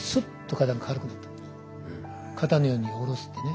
肩の荷を下ろすってね。